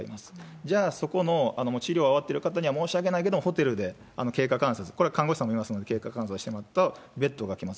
じゃあ、そこの治療は終わってる方には申し訳ないけれども、ホテルで経過観察、これは看護師さんもいますので、経過観察してもらうと、ベッドが空きます。